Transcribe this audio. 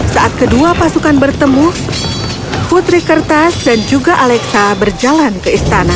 saat kedua pasukan bertemu putri kertas dan juga alexa berjalan ke istana